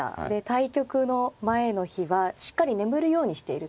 対局の前の日はしっかり眠るようにしていると。